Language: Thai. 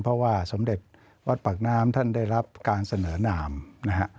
เพราะว่าสมเด็จวัดปากน้ำท่านได้รับการเสนอนามนะฮะ